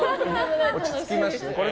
落ち着きました。